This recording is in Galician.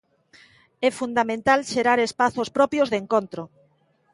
É fundamental xerar espazos propios de encontro.